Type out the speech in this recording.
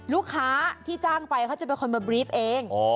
ลูกค้าที่จ้างไปเขาจะเป็นคนมาบรีฟเอง